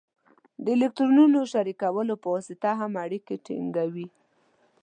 د الکترونونو شریکولو په واسطه هم اړیکې ټینګوي.